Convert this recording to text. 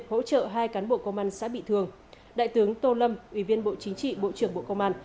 hỗ trợ hai cán bộ công an xã bị thương đại tướng tô lâm ủy viên bộ chính trị bộ trưởng bộ công an